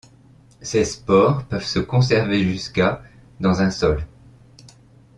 Ces spores peuvent se conserver jusqu’à dans un sol.